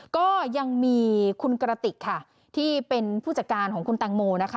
ก็ยังมีคุณกระติกค่ะที่เป็นผู้จัดการของคุณแตงโมนะคะ